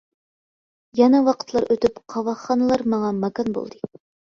يەنە ۋاقىتلار ئۆتۈپ قاۋاقخانىلار ماڭا ماكان بولدى.